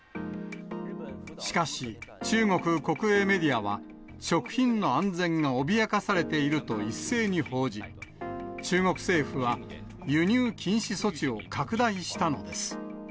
しかし、中国国営メディアは、食品の安全が脅かされていると一斉に報じ、中国政府は輸入禁止措置を拡大したのです。